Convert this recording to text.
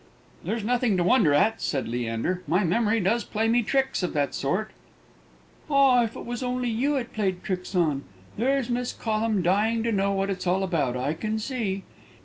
"There's nothing to wonder at," said Leander; "my memory does play me tricks of that sort." "Ah, if it was only you it played tricks on! There's Miss Collum dying to know what it's all about, I can see."